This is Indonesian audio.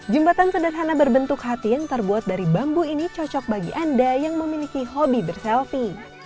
jembatan sederhana berbentuk hati yang terbuat dari bambu ini cocok bagi anda yang memiliki hobi berselfie